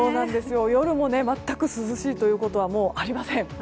夜も全く涼しいということはもうありません。